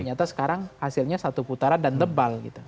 ternyata sekarang hasilnya satu putaran dan tebal gitu